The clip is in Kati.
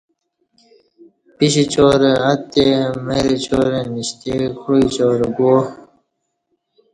پیش چارں اتّے مرچارں نشتے کوعی چارں گُوا